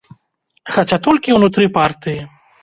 Хаця толькі ўнутры партыі.